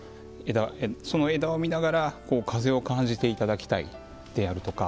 その枝を見ながらこう風を感じて頂きたいであるとか。